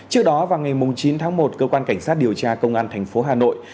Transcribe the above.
trước đó vào ngày chín tháng một cơ quan cảnh sát điều tra công an thành phố hà nội